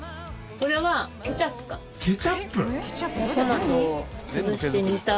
これはケチャップか。